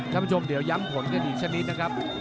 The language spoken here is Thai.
ท่านผู้ชมเดี๋ยวย้ำผลกันอีกสักนิดนะครับ